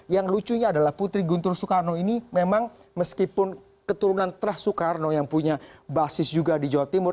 yang lucunya adalah putri guntur soekarno ini memang meskipun keturunan terah soekarno yang punya basis juga di jawa timur